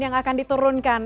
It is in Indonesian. yang akan diturunkan